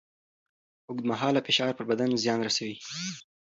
اوږدمهاله فشار پر بدن زیان رسوي.